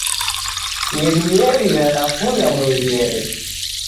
Nyerinyeri radafunya mwengere.